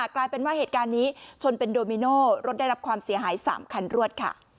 กลายเป็นว่าเหตุการณ์นี้ชนเป็นโดมิโน่รถได้รับความเสียหาย๓คันรวดค่ะ